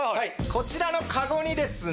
こちらのカゴにですね